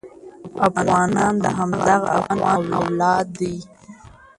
افغانان د همدغه افغان اولاد دي.